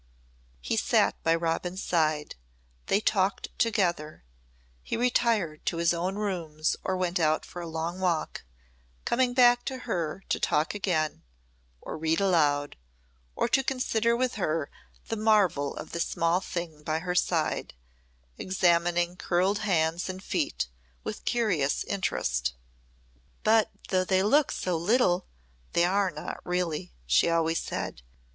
He sat by Robin's side; they talked together; he retired to his own rooms or went out for a long walk, coming back to her to talk again, or read aloud, or to consider with her the marvel of the small thing by her side, examining curled hands and feet with curious interest. "But though they look so little, they are not really," she always said.